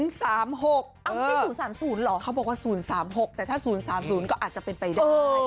ไม่ใช่๐๓๐เหรอเขาบอกว่า๐๓๖แต่ถ้า๐๓๐ก็อาจจะเป็นไปได้